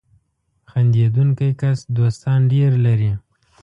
• خندېدونکی کس دوستان ډېر لري.